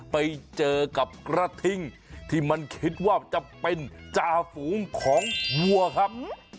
ไปเจอกับกระทิ่งที่มันคิดว่าจะเป็นจ่าฝูงของวัวครับ